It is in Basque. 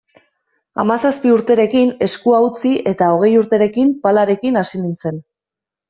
Hamazazpi urterekin eskua utzi eta hogei urterekin palarekin hasi nintzen.